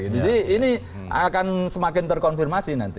jadi ini akan semakin terkonfirmasi nanti